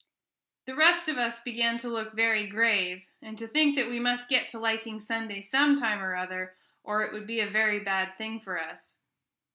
The rest of us began to look very grave, and to think that we must get to liking Sunday some time or other, or it would be a very bad thing for us.